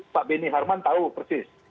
pak benny kaharman tahu persis